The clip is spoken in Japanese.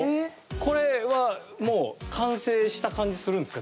これはもう完成した感じするんですか